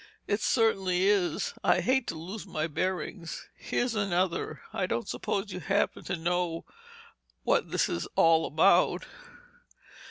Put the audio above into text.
"It certainly is. I hate to lose my bearings. Here's another: I don't suppose you happen to know what this is all about?"